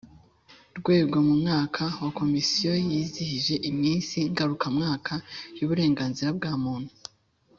Rwego mu mwaka w komisiyo yizihije iminsi ngarukamwaka y uburenganzira bwa muntu